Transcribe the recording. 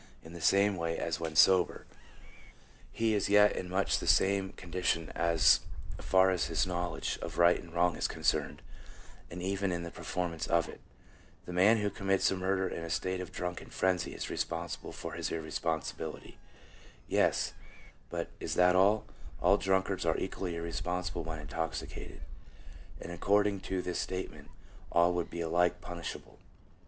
Maher, Psychology, p. 403. a H. P. Stearns, The Drunkard and his Responsibility (pamphlet). MORALS. 207 same way as when sober, he is yet in much the same condition as far as his knowledge of right and wrong is concerned, and even in the performance of it. "The man who commits a murder in a state of drunken frenzy is responsible for his irresponsibility." 1 Yes, but is that all ? All drunkards are equally irrespon sible when intoxicated, and according to this state ment all would be alike punishable.